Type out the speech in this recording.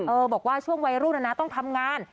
บอกว่าช่วงวัยรุ่นน่ะนะต้องทำงาน